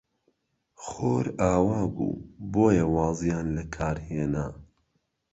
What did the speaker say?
خۆر ئاوا بوو، بۆیە وازیان لە کار هێنا.